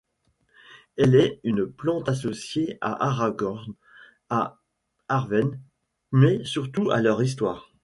Elle est une plante associée à Aragorn, à Arwen, mais surtout à leur histoire.